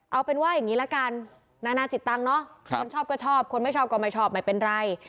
เอาเป็นว่าอย่างนี้ละกันนานาจิตตังค์เนอะคนชอบก็ชอบคนไม่ชอบก็ไม่ชอบไม่เป็นไร